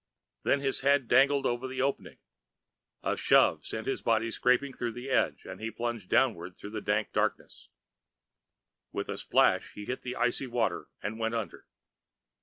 Then his head dangled over the opening, a shove sent his body scraping over the edge, and he plunged downward through dank darkness. With a splash he hit the icy water and went under.